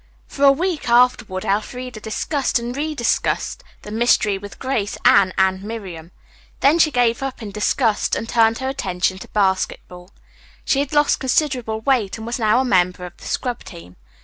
For a week afterward Elfreda discussed and rediscussed the mystery with Grace, Anne and Miriam. Then she gave up in disgust and turned her attention to basketball. She had lost considerable weight and was now a member of the scrub team.